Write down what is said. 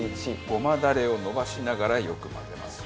ごまダレをのばしながらよく混ぜます。